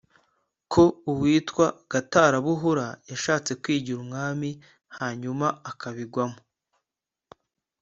ko uwitwa gatarabuhura yashatse kwigira umwami hanyuma akabigwamo